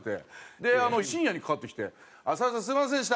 で深夜にかかってきて「斉藤さんすみませんでした」。